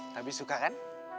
tapi suka kan